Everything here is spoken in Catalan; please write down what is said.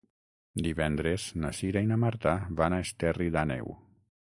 Divendres na Cira i na Marta van a Esterri d'Àneu.